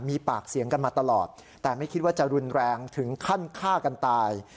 มีปากเสียงกันมาตลอดแต่ไม่คิดว่าจะรุนแรงถึงขั้นฆ่ากันตาย